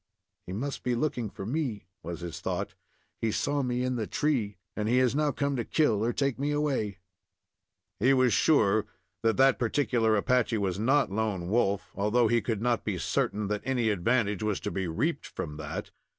"He must be looking for me," was his thought. "He saw me in the tree, and he has now come to kill or take me away." He was sure that that particular Apache was not Lone Wolf, although he could not be certain that any advantage was to be reaped from that.